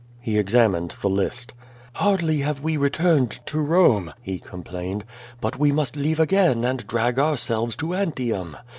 He examined the list. "Hardly have we returned to Rome," he complained, 'T)ut we must leave again and drag ourselves to Antium.